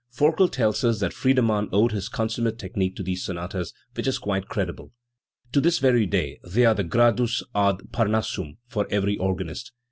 Forkel tells us that Friedemann owed his consummate technique to these sonatas, which is quite credible. To this very day they are the Gradus ad Parnassum for every organist.